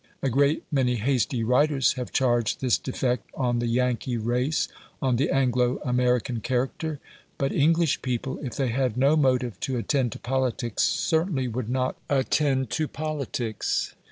A great many hasty writers have charged this defect on the "Yankee race," on the Anglo American character; but English people, if they had no motive to attend to politics, certainly would not attend to politics.